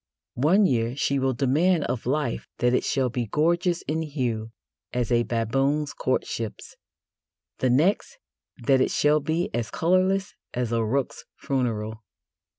One year she will demand of life that it shall be gorgeous in hue as a baboon's courtships; the next, that it shall be as colourless as a rook's funeral.